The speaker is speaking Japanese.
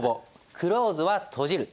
クローズは「閉じる」。